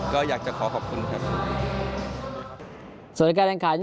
ก็อยากจะขอขอบคุณครับ